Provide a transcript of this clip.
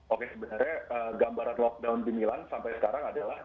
oke sebenarnya gambaran lockdown di milan sampai sekarang adalah